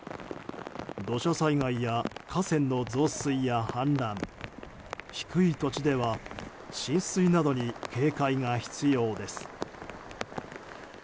土砂災害や河川の増水や氾濫低い土地では浸水などに警戒が必要です。